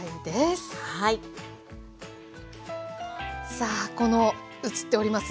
さあこの映っております